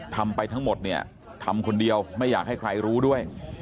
ทำไปทั้งหมดเนี่ยทำคนเดียวไม่อยากให้ใครรู้ด้วย